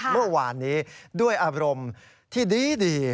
เมื่อวานนี้ด้วยอารมณ์ที่ดี